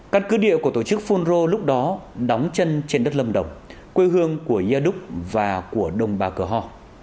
căn cứ địa của tổ chức phun rô lúc đó đóng chân trên đất lâm đồng quê hương của yaduk và của đồng bà cờ hò